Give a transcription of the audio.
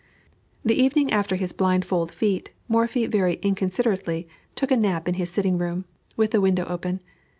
The evening after his blindfold feat, Morphy very inconsiderately took a nap in his sitting room, with the window open.